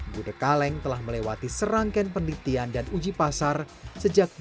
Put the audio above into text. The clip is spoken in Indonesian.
gudeg kaleng telah melewati serangkaian penelitian dan uji pasar sejak dua ribu sembilan hingga dua ribu dua puluh